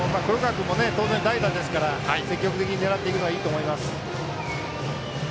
当然代打ですから積極的に狙っていくのはいいと思います。